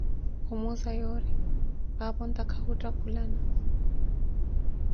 Khumuza yorri paapa ontaka wuuttakulana.